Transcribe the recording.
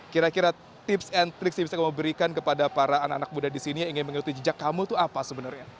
kira kira tips and tricks yang bisa kamu berikan kepada para anak anak muda di sini yang ingin mengikuti jejak kamu itu apa sebenarnya